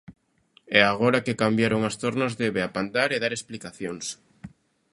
E agora que cambiaron as tornas, debe apandar e dar explicacións.